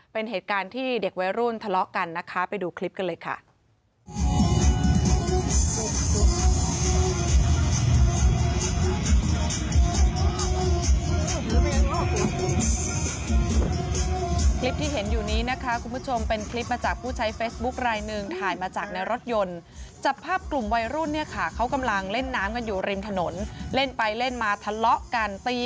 เป็นเหตุการณ์ที่เด็กว้ายรุ่นทะเลาะกันนะคะ